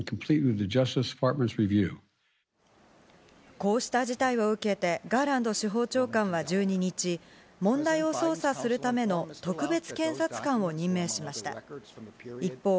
こうした事態を受けてガーランド司法長官は１２日、問題を捜査するための特別検察官を任命しました。